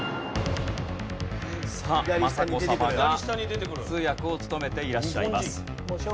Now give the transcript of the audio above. さあ雅子さまが通訳を務めていらっしゃいます。